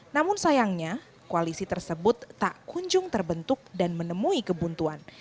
namun sayangnya koalisi tersebut tak kunjung terbentuk dan menemui kebuntuan